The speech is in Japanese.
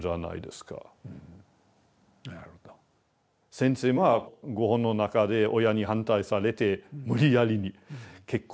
先生はご本の中で親に反対されて無理やりに結婚したと。